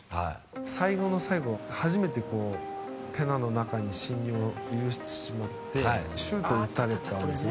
最後の最後、初めてペナの中に侵入を許してしまってシュートを打たれたんですよね。